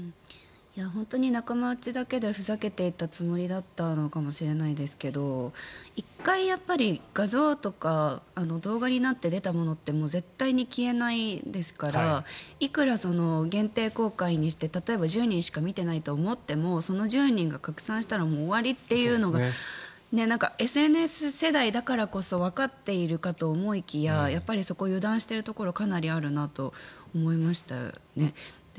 本当に仲間内だけでふざけていたつもりだったのかもしれないですけど１回、画像とか動画になって出たものって絶対に消えないですからいくら限定公開にして例えば１０人しか見ていないと思ってもその１０人が拡散したら終わりというのがＳＮＳ世代だからこそわかっているかと思いきややっぱり、そこは油断しているところがかなりあるなと思いましたよね。